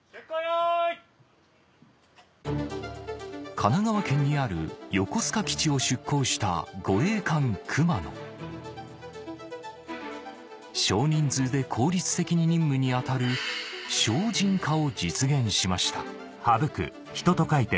神奈川県にある横須賀基地を出港した少人数で効率的に任務に当たるを実現しました